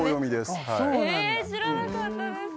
知らなかったです